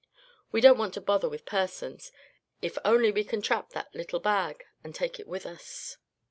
We don't want to bother with persons, if only we c'n trap that little bag, and take it back with us."